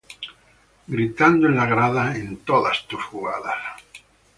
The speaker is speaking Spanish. Gritando en la grada, en todas tus jugadas.